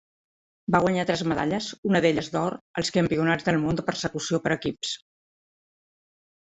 Va guanyar tres medalles, una d'elles d'or, als Campionats del món de persecució per equips.